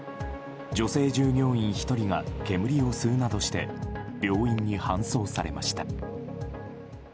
女性従業員１人が煙を吸うなどして病院に搬送されました。